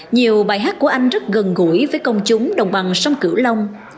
nhiều bài hát của anh rất gần gũi với công chúng đồng bằng sông cửu long